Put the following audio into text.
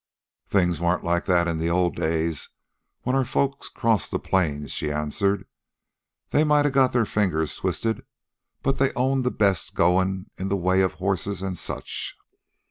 "Things weren't like that in the old days when our folks crossed the plains," she answered. "They might a got their fingers twisted, but they owned the best goin' in the way of horses and such."